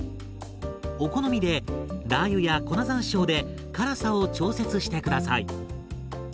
お好みでラー油や粉ざんしょうで辛さを調節して下さい。